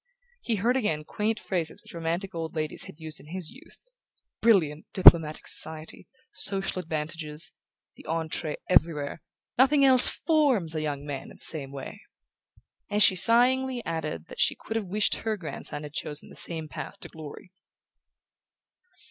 He heard again quaint phrases which romantic old ladies had used in his youth: "Brilliant diplomatic society ... social advantages ... the entree everywhere ... nothing else FORMS a young man in the same way..." and she sighingly added that she could have wished her grandson had chosen the same path to glory.